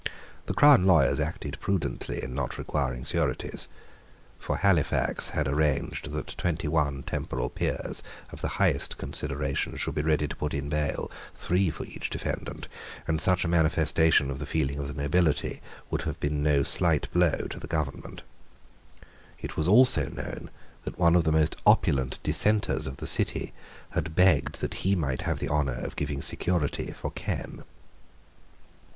The crown lawyers acted prudently in not requiring sureties. For Halifax had arranged that twenty one temporal peers of the highest consideration should be ready to put in bail, three for each defendant; and such a manifestation of the feeling of the nobility would have been no slight blow to the government. It was also known that one of the most opulent Dissenters of the City had begged that he might have the honour of giving security for Ken.